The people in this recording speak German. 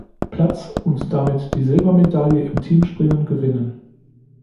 Platz und damit die Silbermedaille im Teamspringen gewinnen.